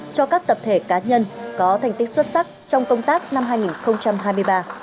cho các tập thể cá nhân có thành tích xuất sắc trong công tác năm hai nghìn hai mươi ba